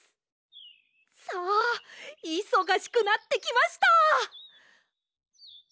さあいそがしくなってきました！